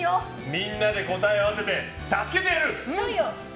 みんなで答えを合わせて助けてやる！